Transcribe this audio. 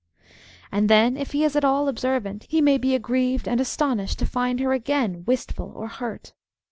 And then, if he is at all observant, he may be aggrieved and astonished to find her again wistfol or hurt.